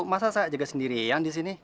masa saya jaga sendirian disini